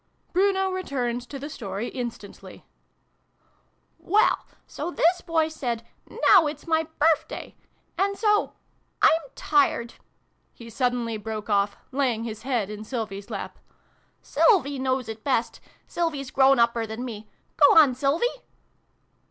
Bruno returned to the story instantly. " Well, so this Boy said 'Now it's my Birth day !' And so I'm tired !" he suddenly broke off, laying his head in Sylvie's lap. " Sylvie knows it best. Sylvie's grown upper than me. Go on, Sylvie